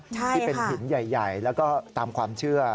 ที่เป็นหินใหญ่แล้วก็ตามความเชื่อ